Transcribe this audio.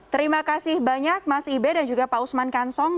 terima kasih banyak mas ibe dan juga pak usman kansong